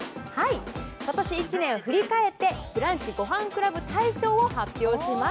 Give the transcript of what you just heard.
今年１年を振り返って「ブランチごはんクラブ大賞」を発表します。